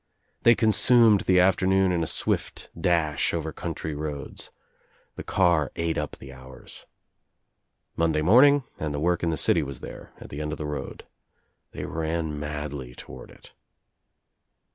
They consumed the after noon in a swift dash over country roads. The car at( up the hours. Monday morning and the work in th( city was there, at the end of the road. They rai madly toward it.